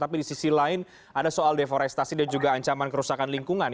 tapi di sisi lain ada soal deforestasi dan juga ancaman kerusakan lingkungan